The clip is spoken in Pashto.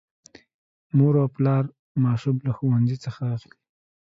مور او پلا ماشوم له ښوونځي څخه اخلي.